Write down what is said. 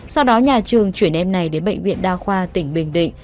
sau đó nhà trường chuyển em này đến bệnh viện đa khoa tỉnh bình định